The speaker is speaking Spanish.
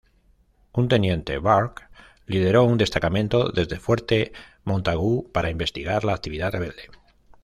Un Teniente Burke lideró un destacamento desde Fuerte Montagu para investigar la actividad rebelde.